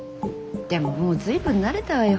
でももう随分慣れたわよ。